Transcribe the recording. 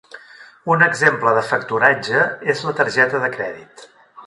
Un exemple de factoratge és la targeta de crèdit.